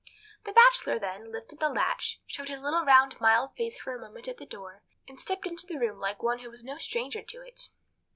The Bachelor, then, lifted the latch, showed his little, round, mild face for a moment at the door, and stepped into the room like one who was no stranger to it.